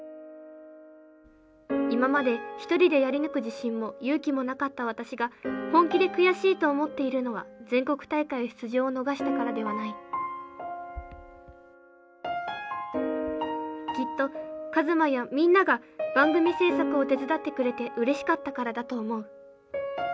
今まで一人でやり抜く自信も勇気もなかった私が本気で悔しいと思っているのは全国大会出場を逃したからではないきっとカズマやみんなが番組制作を手伝ってくれてうれしかったからだと思う。